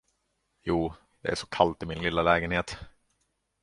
Jo, det är så kallt i min lilla lägenhet.